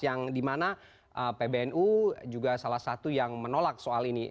yang dimana pbnu juga salah satu yang menolak soal ini